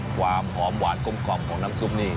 ความหอมหวานกลมของน้ำซุปนี่